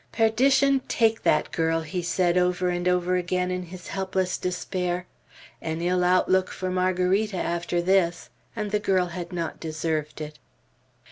"Perdition take that girl!" he said over and over in his helpless despair. An ill outlook for Margarita after this; and the girl had not deserved it.